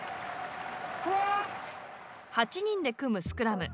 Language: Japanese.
８人で組むスクラム。